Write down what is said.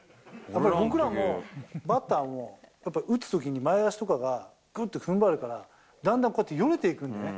僕らも、バッターも、やっぱり打つときに前足とかがぐっとふんばるから、だんだんこうやってよれていくんだよね。